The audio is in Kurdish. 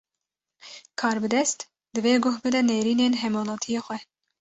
Karbidest, divê guh bide nêrînin hemwelatiyê xwe